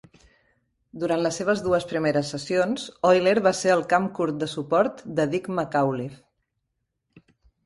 Durant les seves dues primeres sessions, Oyler va ser el campcurt de suport de Dick McAuliffe.